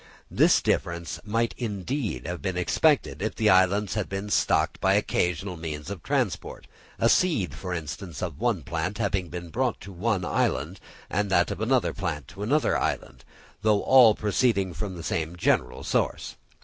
This difference might indeed have been expected if the islands have been stocked by occasional means of transport—a seed, for instance, of one plant having been brought to one island, and that of another plant to another island, though all proceeding from the same general source.